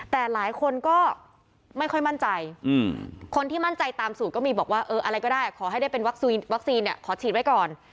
แต่หลายคนก็ไม่ค่อยมั่นใจคนที่มั่นใจตามสูตรก็มีบอกว่าเอออะไรก็ได้ขอให้ได้เป็นวัคซีนเนี่ยขอฉีดไว้ก่อน